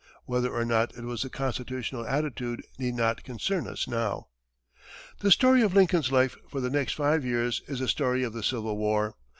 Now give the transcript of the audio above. Whether or not it was the constitutional attitude need not concern us now. The story of Lincoln's life for the next five years is the story of the Civil War.